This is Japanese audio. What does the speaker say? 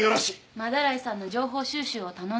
斑井さんの情報収集を頼んだの。